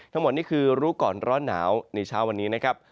ทั้งหมดนี่คือรู้ก่อนร้อนหนาวในเช้าวันนี้นะครับ